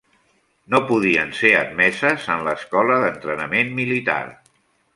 No podien ser admeses en l'escola d'entrenament militar.